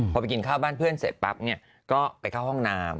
พอไปกินข้าวบ้านเพื่อนเสร็จปั๊บเนี่ยก็ไปเข้าห้องน้ำ